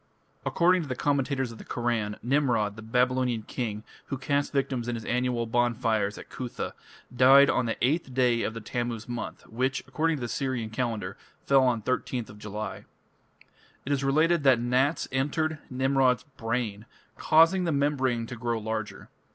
According to the commentators of the Koran, Nimrod, the Babylonian king, who cast victims in his annual bonfires at Cuthah, died on the eighth day of the Tammuz month, which, according to the Syrian calendar, fell on 13th July. It is related that gnats entered Nimrod's brain, causing the membrane to grow larger.